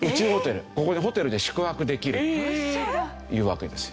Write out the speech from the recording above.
ここでホテルで宿泊できるというわけですよ。